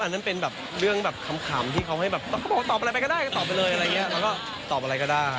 นั่นเป็นแบบเรื่องแบบขำที่เขาให้แบบเขาบอกตอบอะไรไปก็ได้ก็ตอบไปเลยอะไรอย่างนี้แล้วก็ตอบอะไรก็ได้